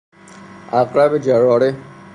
عقرب جراره